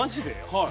はい。